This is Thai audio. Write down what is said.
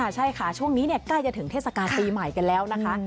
ใช่ค่ะช่วงนี้ใกล้จะถึงเทศกาลปีใหม่กันแล้วนะคะ